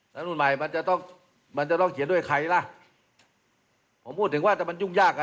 สถานการณ์จะไม่ไปจนถึงขั้นนั้นครับ